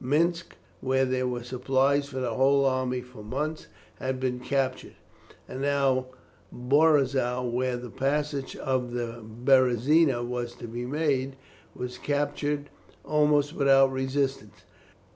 Minsk, where there were supplies for the whole army for months, had been captured, and now Borizow, where the passage of the Berezina was to be made, was captured almost without resistance.